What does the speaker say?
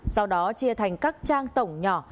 sau đó chia thành các trang tổng nhỏ